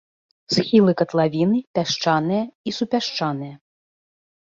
Схілы катлавіны пясчаныя і супясчаныя.